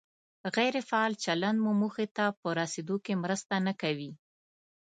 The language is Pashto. غیر فعال چلند مو موخې ته په رسېدو کې مرسته نه کوي.